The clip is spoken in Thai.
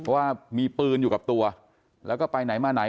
ถ้ามีปืนอยู่กับตัวแล้วก็ไปไหนมาไหน